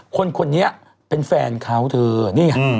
คนนี้เป็นแฟนเขาเธอนี่ไง